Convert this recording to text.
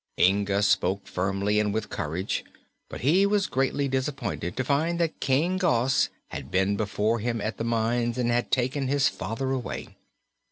Inga spoke firmly and with courage, but he was greatly disappointed to find that King Gos had been before him at the mines and had taken his father away.